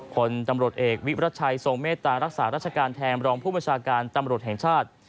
ผลตำรวจเอกวิรัชัยทรงเมตตารักษาราชการแทนรองผู้บัญชาการตำรวจแห่งชาติ